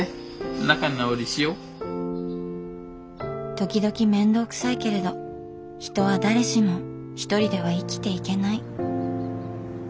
時々面倒くさいけれど人は誰しもひとりでは生きていけない。